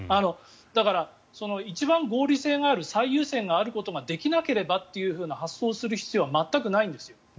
だから、一番合理性がある最優先があるということができなければっていう発想をする必要は全くないんですよ。